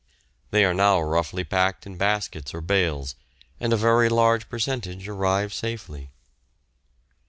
They are now roughly packed in baskets or bales and a very large percentage arrive safely.